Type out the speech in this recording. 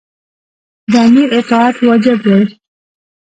د امیر اطاعت واجب دی.